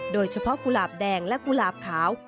โดยเฉพาะกุหลาบแดงและกุหลาบขาว